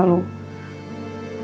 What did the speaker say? padahal kan dia selalu